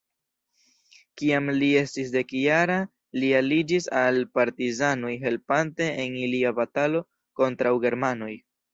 Kiam li estis dekjara, li aliĝis al partizanoj helpante en ilia batalo kontraŭ germanoj.